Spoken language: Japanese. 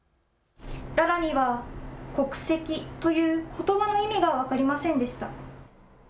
ララには国籍ということばの意味が分かりませんでした。